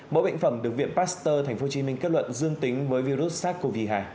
mẫu bệnh phẩm được viện pasteur thành phố hồ chí minh kết luận dương tính với virus sars cov hai